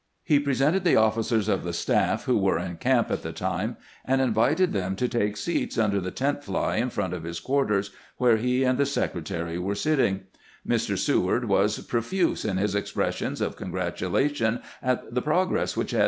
He presented the officers of the staff who were in camp at the time, and invited them to take seats under the tent fly in front of his quarters, where he and the Secre SEWAED VISITS GRANT 253 tary were sitting. Mr, Seward was profuse in Ms ex pressions of congratulation at the progress wMch had.